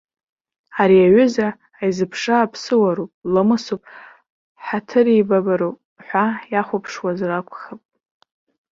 Ари аҩыза аизыԥшра аԥсыуароуп, ламысуп, ҳаҭыреибабароуп ҳәа иахәаԥшуазар акәхап.